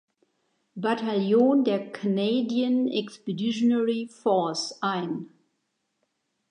Bataillon der Canadian Expeditionary Force ein.